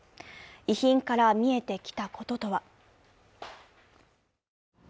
遺品から見えてきたこととは。